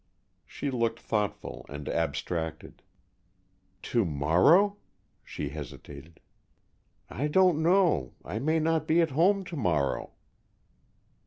She looked thoughtful and abstracted. "To morrow?" she hesitated. "I don't know. I may not be at home to morrow."